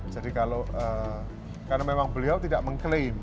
kalau karena memang beliau tidak mengklaim